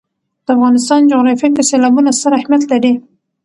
د افغانستان جغرافیه کې سیلابونه ستر اهمیت لري.